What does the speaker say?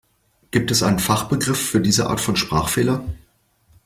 Gibt es einen Fachbegriff für diese Art von Sprachfehler?